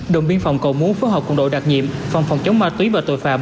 đồng biên phòng cầu mú phối hợp cùng đội đặc nhiệm phòng phòng chống ma túy và tội phạm